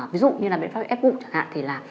ví dụ như là biện pháp ép bụng chẳng hạn thì là